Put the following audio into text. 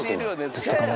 ずっと。